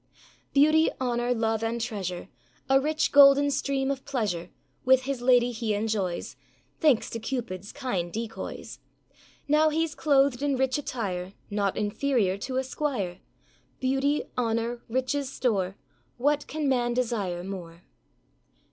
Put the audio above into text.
â Beauty, honour, love, and treasure, A rich golden stream of pleasure, With his lady he enjoys; Thanks to Cupidâs kind decoys. Now heâs clothed in rich attire, Not inferior to a squire; Beauty, honour, richesâ store, What can man desire more?